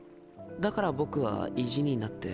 だから僕は意地になって。